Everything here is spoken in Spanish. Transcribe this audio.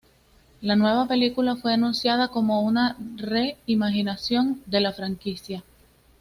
La nueva película fue anunciada como una "re-imaginación" de la franquicia.